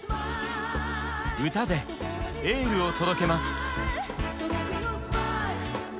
歌でエールを届けます！